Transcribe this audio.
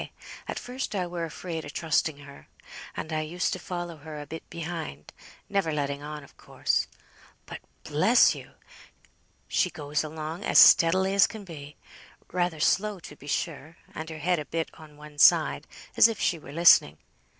At first I were afraid o' trusting her, and I used to follow her a bit behind; never letting on, of course. But, bless you! she goes along as steadily as can be; rather slow, to be sure, and her head a bit on one side as if she were listening.